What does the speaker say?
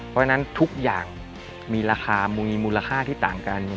เพราะฉะนั้นทุกอย่างมีราคามีมูลค่าที่ต่างกัน